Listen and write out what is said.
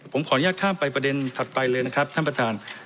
ผมขอยากทางไปประเด็นถัดไปเลยนะครับท่านประทาน